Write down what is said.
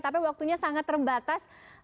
tapi waktunya sangat terbatas